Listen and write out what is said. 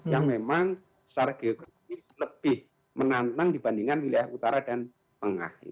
yang memang secara geografis lebih menantang dibandingkan wilayah utara dan tengah